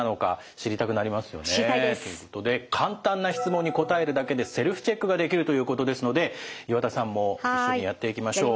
知りたいです。ということで簡単な質問に答えるだけでセルフチェックができるということですので岩田さんも一緒にやっていきましょう。